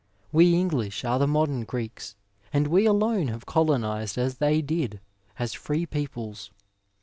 We English are the modem Greeks, and we alone have colonised as they did, as free peoples.